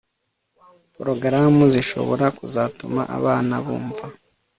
porogaramu zishobora kuzatuma abana bumva